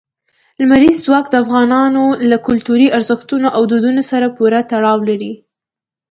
لمریز ځواک د افغانانو له کلتوري ارزښتونو او دودونو سره پوره تړاو لري.